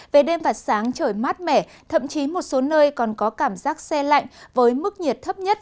về đêm và sáng trời mát mẻ thậm chí một số nơi còn có cảm giác xe lạnh với mức nhiệt thấp nhất